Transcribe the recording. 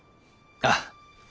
ああ。